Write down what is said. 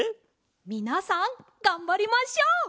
みなさんがんばりましょう！